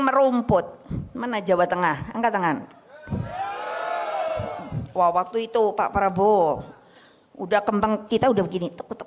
merumput mana jawa tengah angkat tangan wah waktu itu pak prabowo udah kembang kita udah begini